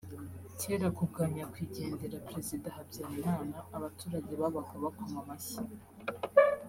Cyera kubwa Nyakwigendera Président Habyarimana abaturage babaga bakoma amashyi